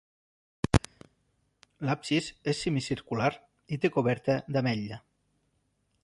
L'absis és semicircular i té coberta d'ametlla.